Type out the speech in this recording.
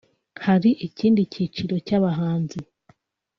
Hari ikindi cyiciro cy’abahanzi